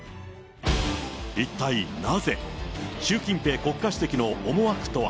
一体なぜ、習近平国家主席の思惑とは。